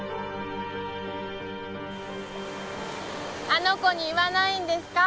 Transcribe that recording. あの子に言わないんですか？